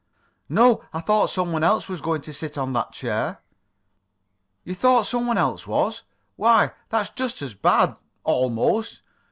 "No. I thought some one else was going to sit on that chair." "You thought some one else was? Why, that's just as bad almost.